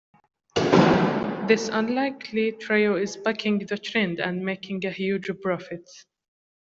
This unlikely trio is bucking the trend and making a huge profit.